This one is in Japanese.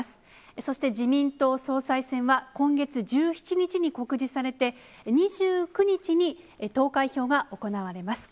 そして自民党総裁選は今月１７日に告示されて、２９日に投開票が行われます。